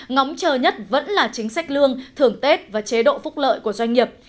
ngóng chờ nhất vẫn là chính sách lương thưởng tết và chế độ phúc lợi của doanh nghiệp